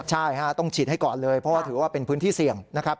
ใช่ต้องฉีดให้ก่อนเลยเพราะว่าถือว่าเป็นพื้นที่เสี่ยงนะครับ